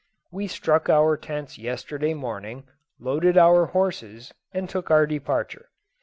We struck our tents yesterday morning, loaded our horses, and took our departure.